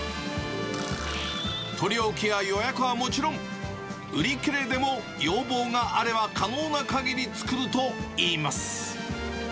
取り置きや予約はもちろん、売り切れでも要望があれば可能なかぎり作るといいます。